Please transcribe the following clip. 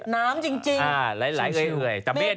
น้ำจริง